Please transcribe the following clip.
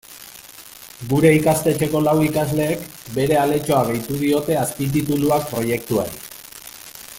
Gure ikastetxeko lau ikasleek bere aletxoa gehitu diote azpitituluak proiektuari.